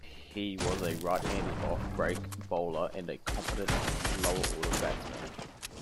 He was a right-handed offbreak bowler and a competent lower-order batsman.